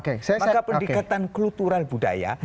maka pendekatan kultural budaya